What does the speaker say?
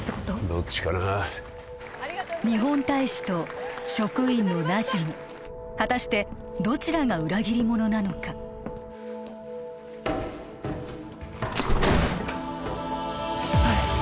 どっちかな日本大使と職員のナジュム果たしてどちらが裏切り者なのかハイ！